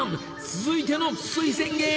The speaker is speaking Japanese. ［続いての推薦芸人は］